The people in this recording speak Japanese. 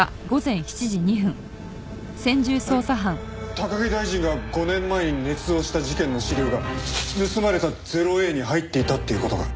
高木大臣が５年前にねつ造した事件の資料が盗まれた０−Ａに入っていたっていう事か？